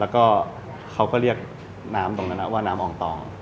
แล้วก็เขาก็เรียกน้ำตรงนั้นว่าน้ำอองตอง